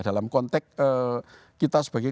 dalam konteks kita sebagai